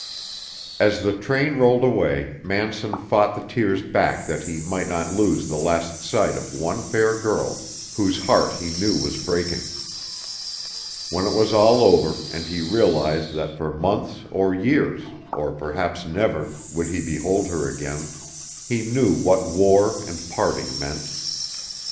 As the train rolled away, Manson fought the tears back that he might not lose the last sight of one fair girl whose heart he knew was breaking. When it was all over, and he realized that for months or years, or perhaps never, would he behold her again, he knew what war and parting meant.